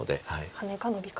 ハネかノビか。